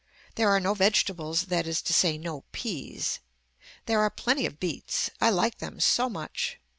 There are no vegetables that is to say no peas. There are plenty of beets. I like them so much.